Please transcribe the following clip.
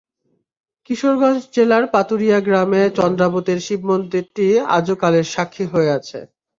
কিশোরগঞ্জ জেলার পাতুয়ারি গ্রামে চন্দ্রাবতীর শিবমন্দিরটি আজও কালের সাক্ষী হয়ে আছে।